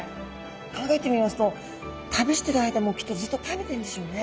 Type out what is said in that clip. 考えてみますと旅してる間もきっとずっと食べてんでしょうね。